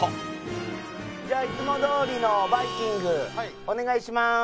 「じゃあいつもどおりのバイキングお願いします」